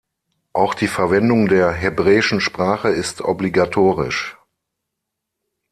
Auch die Verwendung der hebräischen Sprache ist obligatorisch.